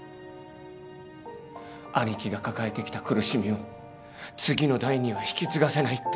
兄貴が抱えてきた苦しみを次の代には引き継がせないって。